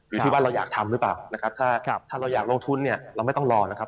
อยู่ที่ว่าเราอยากทำหรือเปล่านะครับถ้าเราอยากลงทุนเนี่ยเราไม่ต้องรอนะครับ